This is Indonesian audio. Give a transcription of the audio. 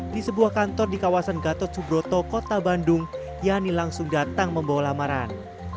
di sebuah kantor di kawasan gatot subroto kota bandung yani langsung datang membawa lamaran